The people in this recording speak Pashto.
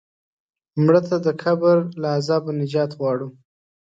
مړه ته د قبر له عذابه نجات غواړو